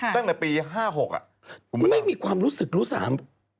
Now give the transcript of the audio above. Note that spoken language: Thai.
ตั้งแต่ปี๕๖ไม่มีความรู้สึกรู้สาม